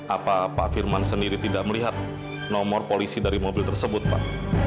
apa pak firman sendiri tidak melihat nomor polisi dari mobil tersebut pak